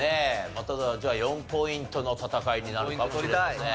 ただじゃあ４ポイントの戦いになるかもしれません。